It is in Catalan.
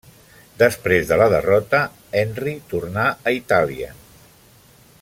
Després de la derrota, Henry tornà a Itàlia.